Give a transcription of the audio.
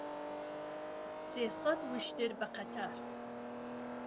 سێ سەت وشتر به قهتار